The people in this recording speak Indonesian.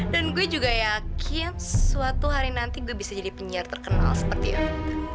dan gue juga yakin suatu hari nanti gue bisa jadi penyiar terkenal seperti eta